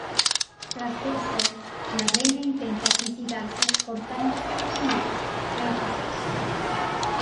Tras esto, la Reina intenta suicidarse cortándose las muñecas, pero falla.